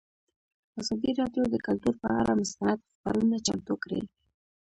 ازادي راډیو د کلتور پر اړه مستند خپرونه چمتو کړې.